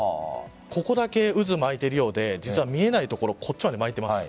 ここだけ渦を巻いているようで実は見えないところこっちまで巻いています。